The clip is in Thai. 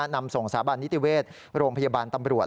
นำส่งสถาบันนิติเวชโรงพยาบาลตำรวจ